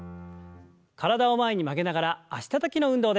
体を前に曲げながら脚たたきの運動です。